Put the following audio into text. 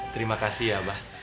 terima kasih ya abah